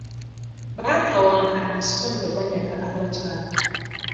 Baatawankana so nno banyaga abakyala.